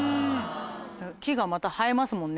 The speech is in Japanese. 木がまた映えますもんね